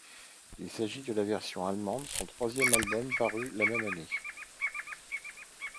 Il s'agit de la version allemande de son troisième album paru la même année.